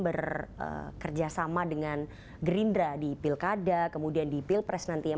bekerja sama dengan gerindra di pilkada kemudian di pilpres nanti ya